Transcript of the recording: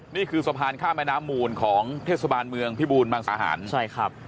นี่คือสะพานข้ามแม่น้ำมูลของเทศบาลเมืองพิบูรมังสาหารใช่ครับ